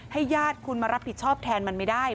ญาติคุณมารับผิดชอบแทนมันไม่ได้